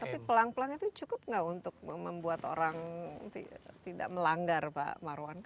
tapi pelan pelan itu cukup nggak untuk membuat orang tidak melanggar pak marwan